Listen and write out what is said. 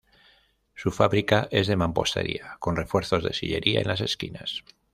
Su fábrica es de mampostería con refuerzos de sillería en las esquinas.